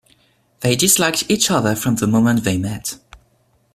They disliked each other from the moment they met.